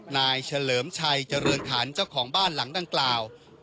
เฉลิมชัยเจริญขันเจ้าของบ้านหลังดังกล่าว